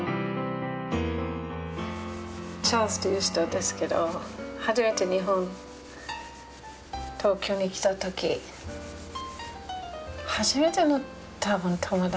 チャールズという人ですけど初めて日本東京に来た時初めての多分友達。